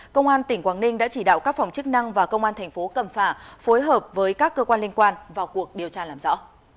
công an tỉnh quảng ninh đã chỉ đạo các phòng chức năng và công an thành phố cẩm phả phối hợp với các cơ quan liên quan vào cuộc điều tra làm rõ